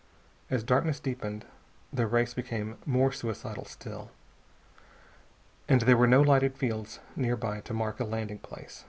As darkness deepened, the race became more suicidal still, and there were no lighted fields nearby to mark a landing place.